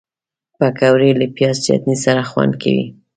پکورې له پیاز چټني سره خوند کوي